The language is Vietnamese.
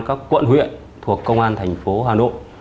các quận huyện thuộc công an thành phố hà nội